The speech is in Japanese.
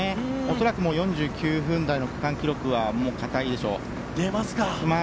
恐らく４９分台の区間記録は堅いでしょう。